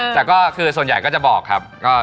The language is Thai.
แต่ก็คือส่วนใหญ่ก็จะบอกครับ